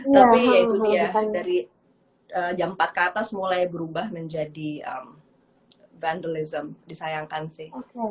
tapi ya itu dia dari jam empat ke atas mulai berubah menjadi vandalism disayangkan sih